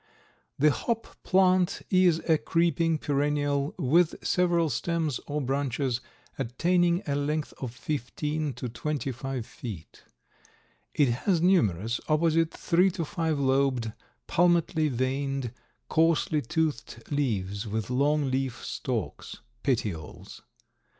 The hop plant is a creeping perennial with several stems or branches attaining a length of fifteen to twenty five feet. It has numerous opposite three to five lobed, palmately veined, coarsely toothed leaves with long leaf stalks (petioles).